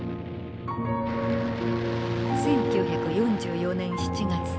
１９４４年７月。